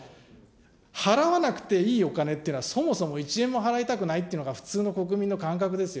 払わなくていいお金っていうのは、そもそも一円も払いたくないというのが普通の国民の感覚ですよ。